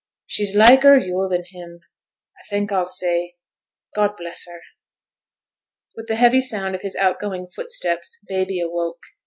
'She's liker yo' than him. A think a'll say, God bless her.' With the heavy sound of his out going footsteps, baby awoke.